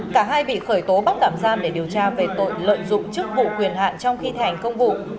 cả hai bị khởi tố bắt tạm giam để điều tra về tội lợi dụng chức vụ quyền hạn trong khi thành công vụ